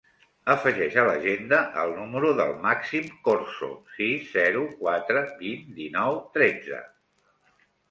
Afegeix a l'agenda el número del Màxim Corzo: sis, zero, quatre, vint, dinou, tretze.